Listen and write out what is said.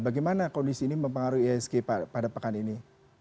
bagaimana kondisi ini mempengaruhi isg pada pekan ini